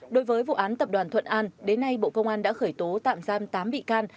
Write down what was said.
đối với vụ án tập đoàn thuận an đến nay bộ công an đã khởi tố tạm giam tám bị can